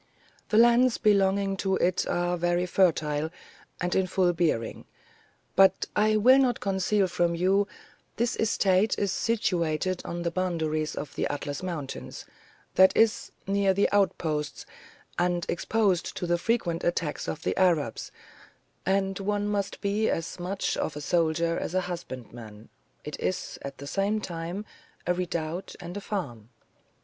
The lands belonging to it are very fertile, and in full bearing; but I will not conceal from you, this estate is situated on the boundaries of the Atlas mountains, that is, near the outposts, and exposed to the frequent attacks of the Arabs, and one must be as much of a soldier as a husbandman: it is, at the same time, a redoubt and a farm.